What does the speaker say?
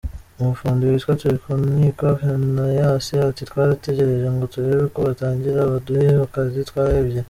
Umufundi witwa Turikunkiko Phenias ati “Twarategereje ngo turebe ko batangira baduhe akazi twarahebye.